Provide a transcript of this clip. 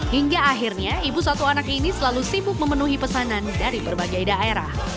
hingga akhirnya ibu satu anak ini selalu sibuk memenuhi pesanan dari berbagai daerah